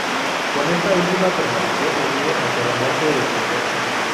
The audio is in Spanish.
Con esta última permaneció unido hasta la muerte del escritor.